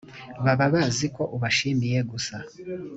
baba bazi ko ubashimiye gusa